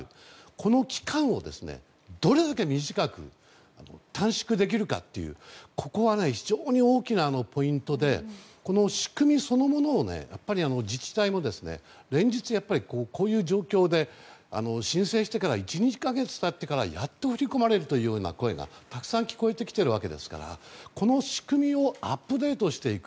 この期間をどれだけ短く短縮できるかというここは非常に大きなポイントでこの仕組みそのものをやっぱり自治体も連日、こういう状況で申請してから１２か月経ってからやっと振り込まれるというような声がたくさん聞こえてきているわけですからこの仕組みをアップデートしていく。